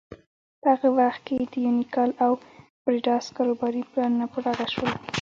په هغه وخت کې د یونیکال او بریډاس کاروباري پلانونه په ډاګه شول.